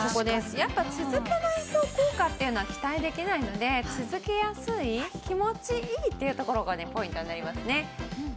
やっぱり続けないと効果っていうのは期待できないので続けやすい気持ちいいっていうところがねポイントになりますね。